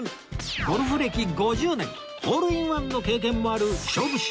ゴルフ歴５０年ホールインワンの経験もある勝負師